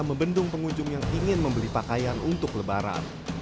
membendung pengunjung yang ingin membeli pakaian untuk lebaran